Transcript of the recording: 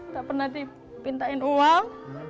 tak pernah dipintain uang